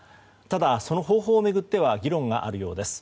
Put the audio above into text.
ただ、その方法を巡っては議論があるようです。